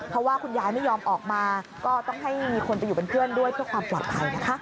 เพราะว่าคุณยายไม่ยอมออกมาก็ต้องให้มีคนไปอยู่เป็นเพื่อนด้วยเพื่อความปลอดภัยนะคะ